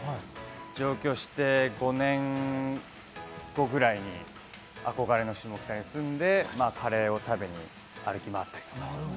上京して５年後ぐらいに憧れの下北に住んでカレーを食べ歩き回ったり。